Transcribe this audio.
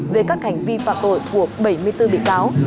về các hành vi phạm tội thuộc bảy mươi bốn bị cáo